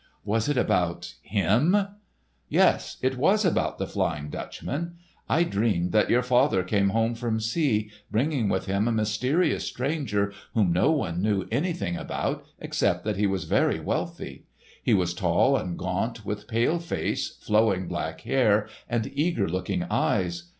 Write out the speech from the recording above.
"Was it about—him?" "Yes, it was about the Flying Dutchman. I dreamed that your father came home from sea, bringing with him a mysterious stranger whom no one knew anything about, except that he was very wealthy. He was tall and gaunt, with pale face, flowing black hair and eager looking eyes.